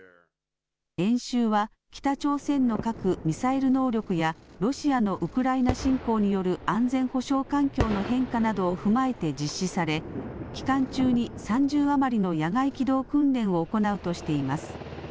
演習は北朝鮮の核・ミサイル能力やロシアのウクライナ侵攻による安全保障環境の変化などを踏まえて実施され、期間中に３０余りの野外機動訓練を行うとしています。